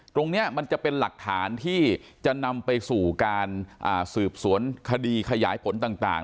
ตรงนี้มันจะเป็นหลักฐานที่จะนำไปสู่การสืบสวนคดีขยายผลต่าง